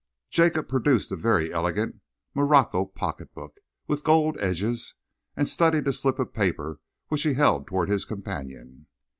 Jacob produced a very elegant morocco pocketbook, with gold edges, and studied a slip of paper which he held towards his companion.